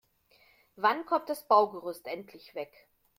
Wann kommt das Baugerüst endlich weg?